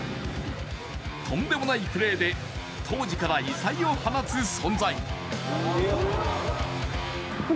とんでもないプレーで当時から異彩を放つ存在。